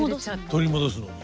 取り戻すのに。